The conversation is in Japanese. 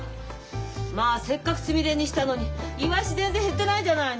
まあせっかくつみれにしたのにイワシ全然減ってないじゃないの。